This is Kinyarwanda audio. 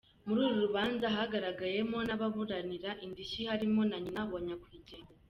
Muri uru rubanza hagaragayemo n’ababuranira indishyi harimo na nyina wa nyakwigendera.